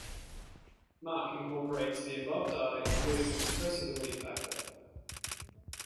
Mach incorporates the above data including the compressibility factor.